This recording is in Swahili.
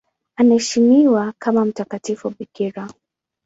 Anaheshimiwa kama mtakatifu bikira.